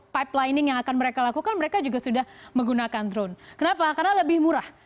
pipelining yang akan mereka lakukan mereka juga sudah menggunakan drone kenapa karena lebih murah